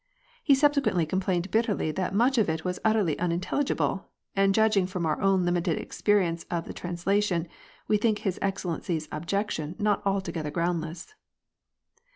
He subse quently complained bitterly that much of it was utterly unintelligible; and judging from our own limited ex perience of the translation, we think His Excellency's objection not altogether groundless.